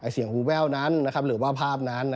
เสียงหูแว่วนั้นหรือว่าภาพนั้น